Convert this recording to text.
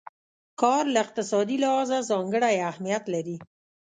کار له اقتصادي لحاظه ځانګړی اهميت لري.